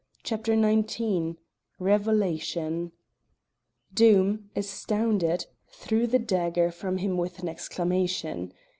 CHAPTER XIX REVELATION Doom, astounded, threw the dagger from him with an exclamation.